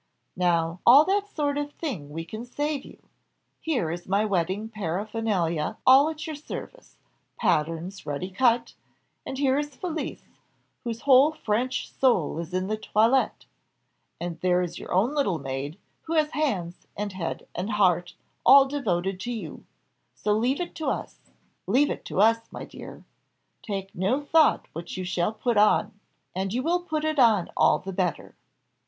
Now all that sort of thing we can save you here is my wedding paraphernalia all at your service patterns ready cut and here is Felicie, whose whole French soul is in the toilette and there is your own little maid, who has hands, and head, and heart, all devoted to you so leave it to us leave it to us, my dear take no thought what you shall put on and you will put it on all the better."